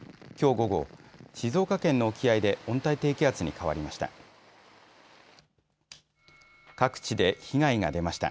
午後、静岡県の沖合で温帯低気圧に変わりました。